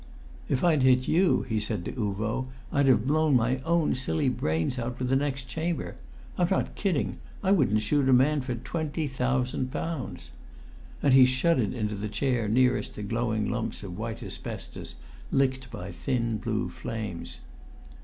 "If I'd hit you," he said to Uvo, "I'd have blown my own silly brains out with the next chamber. I'm not kidding. I wouldn't shoot a man for twenty thousand pounds!" And he shuddered into the chair nearest the glowing lumps of white asbestos licked by thin blue flames.